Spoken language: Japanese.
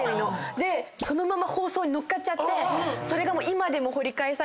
そのまま放送乗っかっちゃってそれが。